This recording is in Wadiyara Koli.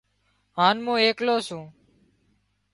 هانَ مُون ايڪلو سُون